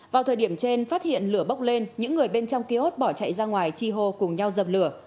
vào thời điểm trên phát hiện lửa bốc lên những người bên trong kiosk bỏ chạy ra ngoài chi hô cùng nhau dập lửa